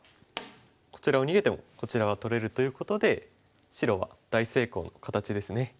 こちらを逃げてもこちらが取れるということで白は大成功の形ですね。